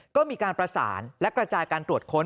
ก็มีการประสานและกระจายการตรวจค้น